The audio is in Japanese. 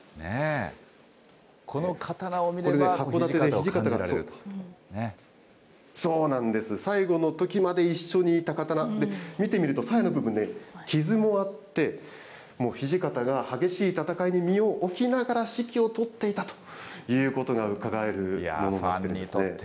この刀を見れば、そうなんです、最期の時まで一緒にいた刀、見てみると、さやの部分、傷もあって、もう土方が激しい戦いに身を置きながら指揮を執っていたというものがうかがえるものになってるんですね。